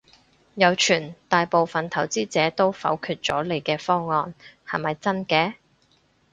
有傳大部份投資者都否決咗你嘅方案，係咪真嘅？